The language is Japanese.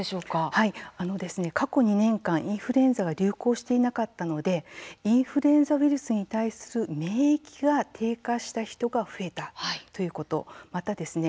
はい、過去２年間インフルエンザが流行していなかったのでインフルエンザウイルスに対する免疫が低下した人が増えたということ、またですね